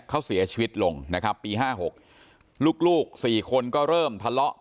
เขาเสียชีวิตลงนะครับปี๕๖ลูก๔คนก็เริ่มทะเลาะ